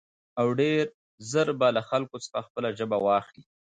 او ډېر زر به له خلکو څخه خپله ژبه واخلي.